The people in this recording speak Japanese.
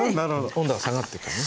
温度が下がってきてね。